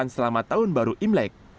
dan selamat tahun baru imlek